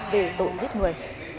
về tội giết người